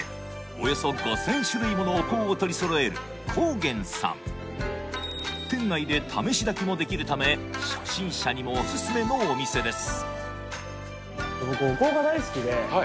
およそ５０００種類ものお香を取り揃える香源さん店内で試しだきもできるため初心者にもおすすめのお店です